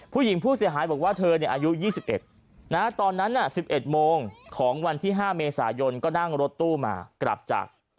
ผู้หญิงผู้เสียหายบอกว่าเธอเนี่ยอายุยี่สิบเอ็ดนะฮะตอนนั้นน่ะสิบเอ็ดโมงของวันที่ห้าเมษายนก็นั่งรถตู้มากลับจาก